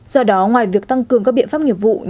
do đó ngoài việc tăng cường các biện pháp nghiệp vụ